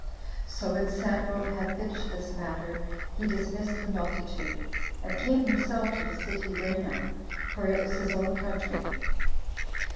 So when Samuel had finished this matter, he dismissed the multitude, and came himself to the city Rainah, for it was his own country.